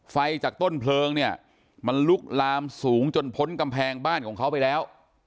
ไฟจากต้นเพลิงเนี่ยมันลุกลามสูงจนพ้นกำแพงบ้านของเขาไปแล้ว